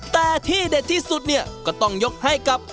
แต่ที่เด็ดที่สุดเนี่ยก็ต้องยกให้กับ